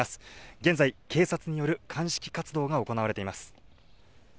現在、警察による鑑識活動が行われています。